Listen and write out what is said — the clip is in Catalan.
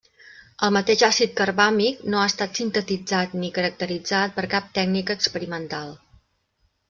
El mateix àcid carbàmic no ha estat sintetitzat ni caracteritzat per cap tècnica experimental.